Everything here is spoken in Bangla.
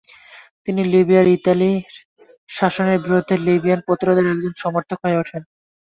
তিনি লিবিয়ায় ইতালীয় শাসনের বিরুদ্ধে লিবিয়ান প্রতিরোধের একজন সমর্থক হয়ে উঠেন।